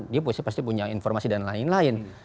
dia pasti punya informasi dan lain lain